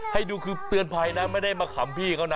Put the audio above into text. ให้ดูคือเตือนภัยนะไม่ได้มาขำพี่เขานะ